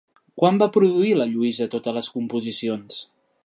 Quan va produir Lluïsa totes les composicions?